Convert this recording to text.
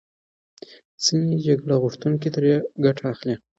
ځینې جګړه غوښتونکي ترې ګټه اخلي.